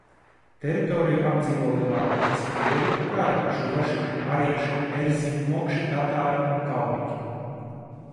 Teritoriju apdzīvo lielākoties krievi, kā arī čuvaši, marieši, erzji, mokši, tatāri un kalmiki.